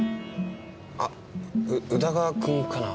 あ宇田川君かな。